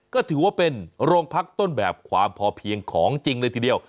ก็ถือว่าเป็นโรงพักต้นแบบความพอเพียงของจริงเลยทีเดียว